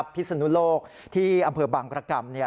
พิศนุโลกที่อำเภอบางประกรรม